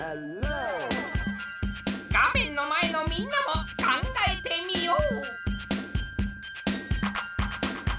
画面の前のみんなも考えてみよう！